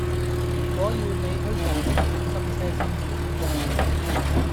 如果要你推舊式點心車先至考功夫